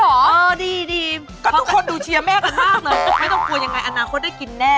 เออดีเพราะทุกคนดูเชียร์แม่กันมากเลยไม่ต้องกลัวอย่างไรอนาคตได้กินแน่